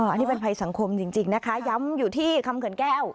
อันนี้เป็นภัยสังคมจริงนะคะย้ำอยู่ที่คำเขินแก้ว